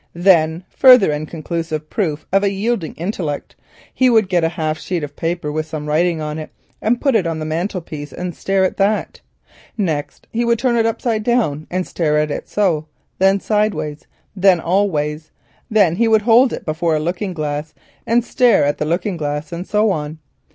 Then—further and conclusive proof of a yielding intellect—he would get a half sheet of paper with some writing on it and put it on the mantelpiece and stare at that. Next he would turn it upside down and stare at it so, then sideways, then all ways, then he would hold it before a looking glass and stare at the looking glass, and so on.